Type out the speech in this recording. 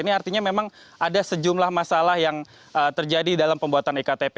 ini artinya memang ada sejumlah masalah yang terjadi dalam pembuatan iktp